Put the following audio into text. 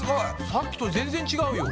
さっきと全然違うよ。